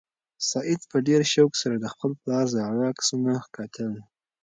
سعید په ډېر شوق سره د خپل پلار زاړه عکسونه کتل.